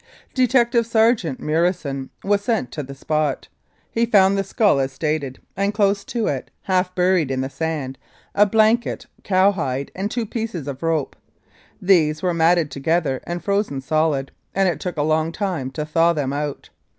Detective Sergeant Murison was sent to the spot; he found the skull as stated, and close to it, half buried in the sand, a blanket, cowhide and two pieces of rope. These were matted together and frozen solid, and it took a long time to thaw them out.